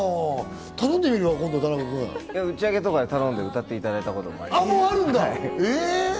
頼んでみるか、今度、田中くん。打ち上げとかで頼んで、歌ってもらったことあります。